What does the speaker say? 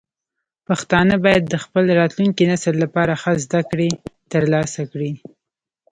پښتانه باید د خپل راتلونکي نسل لپاره ښه زده کړې ترلاسه کړي.